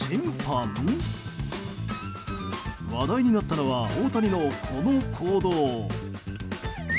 話題になったのは大谷のこの行動。